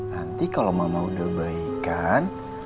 nanti kalo mama udah baikan